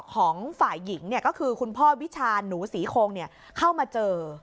ของฝ่ายหญิงก็คือคุณพ่อวิชาหนูศรีโคงเข้ามาเจอ